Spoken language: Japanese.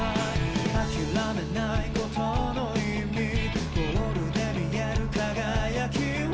「諦めないことの意味」「ゴールで見える輝きを」